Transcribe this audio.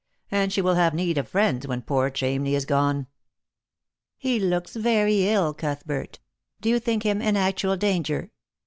And she will have need of friends when poor Chamney is gone.'' " He looks very ill, Cuthbert. Do you think him in actual danger?"